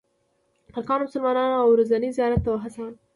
ترکانو مسلمانان اوو ورځني زیارت ته وهڅول.